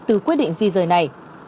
từ quyết định di rời này